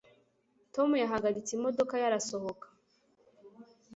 tom yahagaritse imodoka ye arasohoka